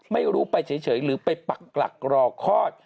ไม่รู้ไปเฉยหรือไปปักหลักรอคลอด